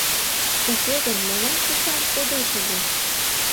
Уке гын, молан тушан кодеш ыле?